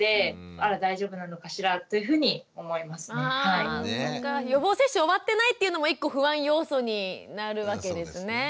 あそっか予防接種終わってないっていうのも１個不安要素になるわけですね。